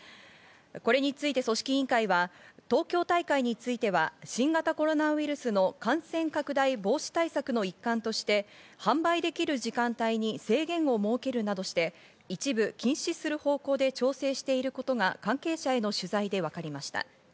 これについて組織委員会は東京大会については、新型コロナウイルスの感染拡大防止対策の一環として販売できる時間帯に制限を設けるなどして一部禁止する方向で調整していることが関係者への取材で分かりました。